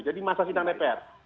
jadi masa sidang dpr